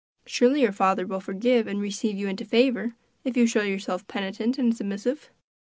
Surely your father will forgive, and receive you into favor, if you show yourself penitent and submissive?"